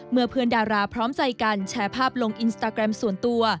เมื่อเพื่อนดาราพร้อมใจกันแชร์ภาพลงอินสตาแกรมส่วนตัว